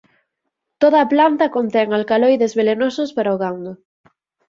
Toda a planta contén alcaloides velenosos para o gando.